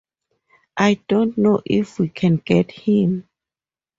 I don't know if we can get him.